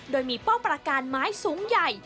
โดยมีป้อมประการไม้สูงใหญ่